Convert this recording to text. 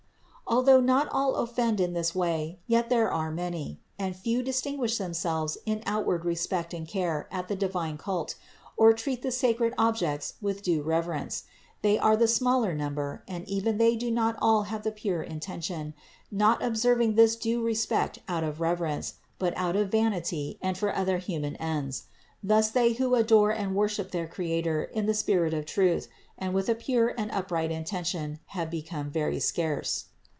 Although not all offend in this, yet there are many; and few distinguish them selves in outward respect and care at the divine cult, or treat the sacred objects with due reverence; they are the smaller number and even they do not all have the pure intention, not observing this due respect out of reverence, but out of vanity and for other human ends. Thus they who adore and worship their Creator in the spirit of truth and with a pure and upright intention have become very scarce.